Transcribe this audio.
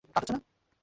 আরে, মাফ করবে!